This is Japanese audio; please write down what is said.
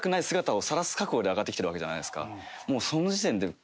で上がって来てるわけじゃないですか。